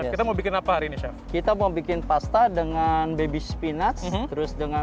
kita mau bikin apa hari ini chef kita mau bikin pasta dengan baby spinatch terus dengan